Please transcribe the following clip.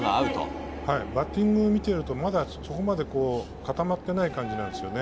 バッティングを見ていると、まだそこまで固まっていない感じなんですよね。